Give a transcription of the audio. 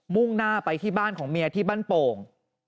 ่งหน้าไปที่บ้านของเมียที่บ้านโป่ง